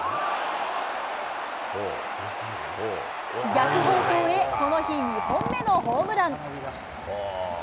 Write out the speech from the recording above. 逆方向へ、この日、２本目のホームラン。